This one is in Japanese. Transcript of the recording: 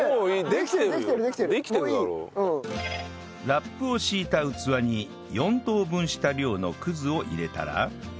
ラップを敷いた器に４等分した量の葛を入れたら